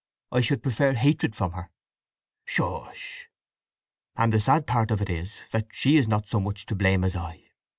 I should prefer hatred from her!" "Ssh!" "And the sad part of it is that she is not so much to blame as I.